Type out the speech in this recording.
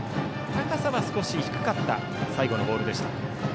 高さは少し低かった最後のボールでした。